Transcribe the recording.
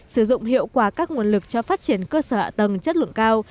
sử dụng hiệu quả các nguồn lực cho phát triển cơ sở ạ tầng chất lượng cao